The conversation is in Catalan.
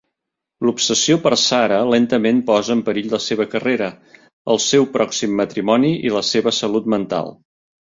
L'obsessió per Sarah lentament posa en perill la seva carrera, el seu pròxim matrimoni i la seva salut mental.